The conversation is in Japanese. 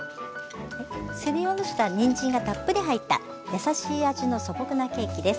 すりおろしたにんじんがたっぷり入ったやさしい味の素朴なケーキです。